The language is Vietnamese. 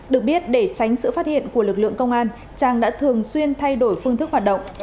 được biết để tránh sự phát hiện của lực lượng công an trang đã thường xuyên thay đổi phương thức hoạt động